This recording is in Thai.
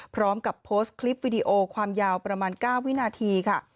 พร้อมกับโพสต์คลิปวิดีโอความยาวประมาณ๙วินาทีค่ะ